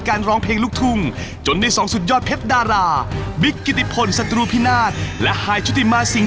ขาดท้องคนอยู่ที่ผลงานพาทาง